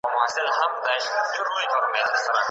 تاسو باید د خپل عمر هره ثانیه په عبادت تېره کړئ.